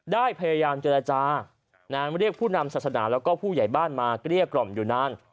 ได้พยายามเจรจาเรียกผู้นำศาสนาแล้วก็ผู้ใหญ่บ้านมาเกลี้ยกล่อมอยู่นาน